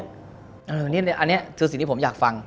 อันนี้คือสิ่งที่ผมอยากฟัง